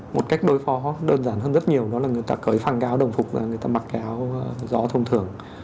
một cách đối phó đơn giản hơn rất nhiều đó là người ta cởi phang gáo đồng phục ra người ta mặc gáo gió thông thường